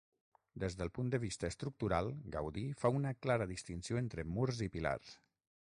Des del punt de vista estructural, Gaudí fa una clara distinció entre murs i pilars.